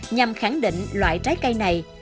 nhằm khẳng định loại trái cây này